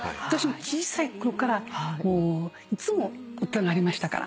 小さいころからいつも歌がありましたから。